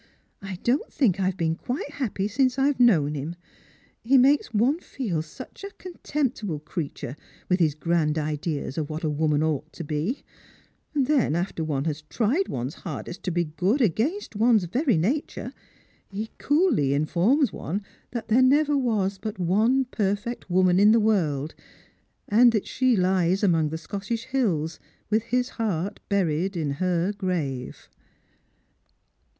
" 1 don't think I've been qiaite happy since I've known him. He makes one feel such a contemptible creature, with has grand ideas of what a woman ought to be ; and then, after one has tried one's hardest to be good against one's very nature, he coolly informs one that there never was but one perfect woman in the world, and that she lies among the Scottish hills with hir heart buried in her grave."